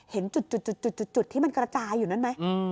เห็นจุดที่มันกระจายอยู่นั่นไหม